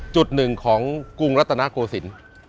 จุดหนึ่งของกรุงรัฐนาโกศิลป์